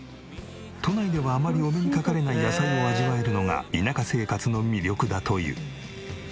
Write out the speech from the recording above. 都内ではあまりお目にかかれない野菜を味わえるのが田舎生活の魅力だという。